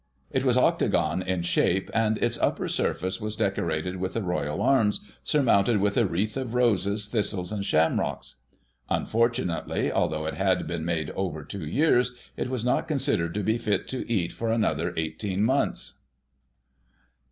It was octagon in shape, and its upper surface was decorated with the Royal Arms, surmounted with a wreath of roses, thistles and shamrocks. Unfortunately, although it had been made over two years, it was not considered to be fit to eat for another eighteen months.